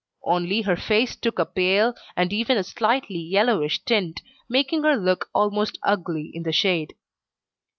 Only her face took a pale, and even a slightly yellowish tint, making her look almost ugly in the shade.